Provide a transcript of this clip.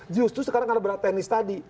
justru sekarang karena berat teknis tadi